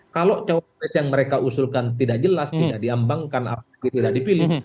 kalau cawapres yang mereka usulkan tidak jelas tidak diambangkan apalagi tidak dipilih